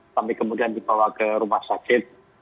sampai kemudian dibawa ke rumah sakit